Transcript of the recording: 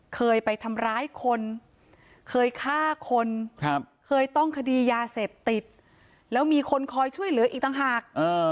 เคยไปทำร้ายคนเคยฆ่าคนเคยต้องคดียาเสพติดแล้วมีคนคอยช่วยเหลืออีกต่างหาก